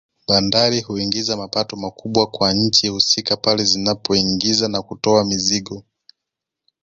Bandari huingiza mapato makubwa kwa nchi husika pale zinapoingiza na kutoa mizigo